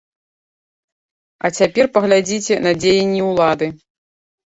А цяпер паглядзіце на дзеянні ўлады.